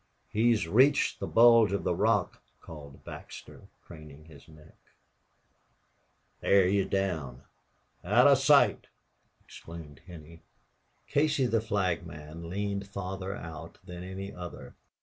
"He's reached the bulge of rock," called Baxter, craning his neck. "There, he's down out of sight!" exclaimed Henney. Casey, the flagman, leaned farther out than any other.